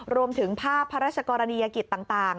รวมถึงภาพพระราชกรณียกิจต่าง